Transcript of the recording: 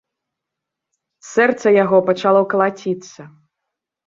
Сэрца яго пачало калаціцца.